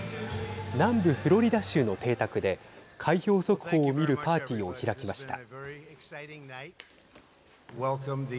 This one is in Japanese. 南部フロリダ州の邸宅で開票速報を見るパーティーを開きました。